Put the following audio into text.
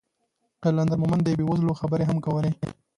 قلندر مومند د بې وزلو خبرې هم کولې.